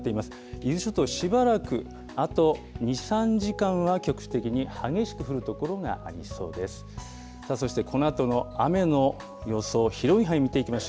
伊豆諸島、しばらく、あと２、３時間は、局地的に激しく降る所がありそうです。